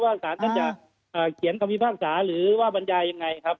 ว่าศาลท่านจะเกียรติภาหกษาหรือว่าบรรยายยังไงครับ